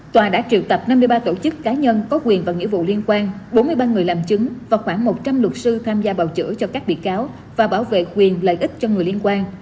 tòa đã triệu tập năm mươi ba tổ chức cá nhân có quyền và nghĩa vụ liên quan bốn mươi ba người làm chứng và khoảng một trăm linh luật sư tham gia bào chữa cho các bị cáo và bảo vệ quyền lợi ích cho người liên quan